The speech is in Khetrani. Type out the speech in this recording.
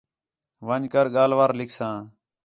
وَن٘ڄ کر ڳاھلوار لکھساں